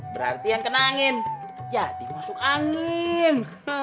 berarti yang kena angin jadi masuk angin